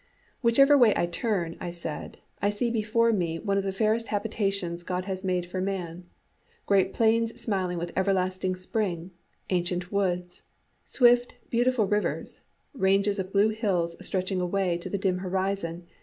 "Whichever way I turn," I said, "I see before me one of the fairest habitations God has made for man: great plains smiling with everlasting spring; ancient woods; swift, beautiful rivers; ranges of blue hills stretching away to the dim horizon.